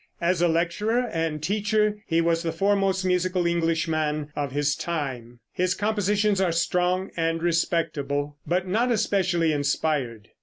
As a lecturer and teacher he was the foremost musical Englishman of his time. His compositions are strong and respectable, but not especially inspired.